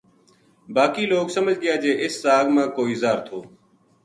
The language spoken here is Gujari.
باقی لوک سمجھ گیا جے اس ساگ ما کوئی زہر تھو